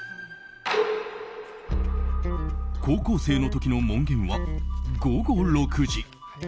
高校生の時の門限は午後６時。